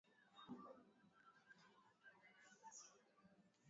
rummel aliandika mambo mengi sana ya kitafiti